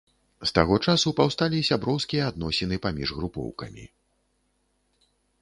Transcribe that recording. З таго часу паўсталі сяброўскія адносіны паміж групоўкамі.